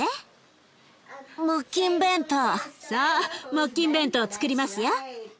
木琴弁当をつくりますよ。